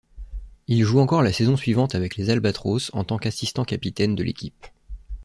Il joue encore la saison suivante avec les Albatros en tant qu'assistant-capitaine de l'équipe.